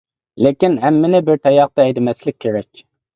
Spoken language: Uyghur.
لېكىن ھەممىنى بىر تاياقتا ھەيدىمەسلىك كېرەك.